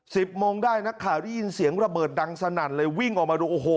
สิบโมงได้นักข่าวได้ยินเสียงระเบิดดังสนั่นเลยวิ่งออกมาดูโอ้โห